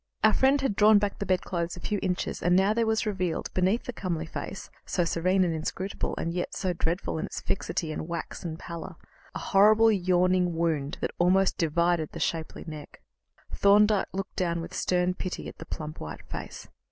Our friend had drawn back the bedclothes a few inches, and now there was revealed, beneath the comely face, so serene and inscrutable, and yet so dreadful in its fixity and waxen pallor, a horrible, yawning wound that almost divided the shapely neck. Thorndyke looked down with stern pity at the plump white face.